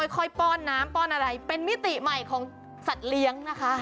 ป้อนน้ำป้อนอะไรเป็นมิติใหม่ของสัตว์เลี้ยงนะคะ